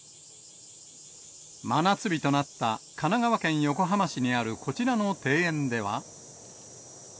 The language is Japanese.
真夏日となった神奈川県横浜市にあるこちらの庭園では。